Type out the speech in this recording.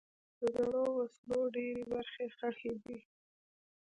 د زړو وسلو ډېری برخې ښخي دي.